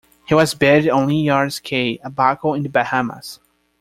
He was buried on Linyards Cay, Abaco in the Bahamas.